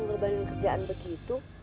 ngelobanin kerjaan begitu